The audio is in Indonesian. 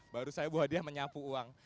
baru saya bawa dia menyapu uang